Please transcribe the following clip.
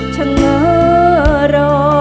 ชะเงอรอ